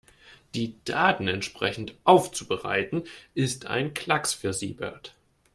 Die Daten entsprechend aufzubereiten, ist ein Klacks für Siebert.